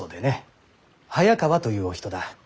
早川というお人だ。